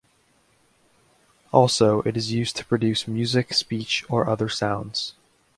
Also it is used to produce music, speech or other sounds.